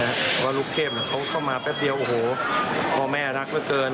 เพราะว่าลูกเทพฯเขาเข้ามาแป๊บ๑๐วันเย้พ่อแม่รักกระเกิน